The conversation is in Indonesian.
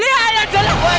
waduh mana dia sih bayangin